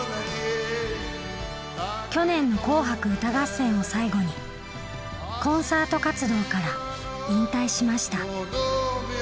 去年の「紅白歌合戦」を最後にコンサート活動から引退しました。